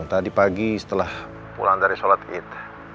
tadi pagi setelah pulang dari sholat id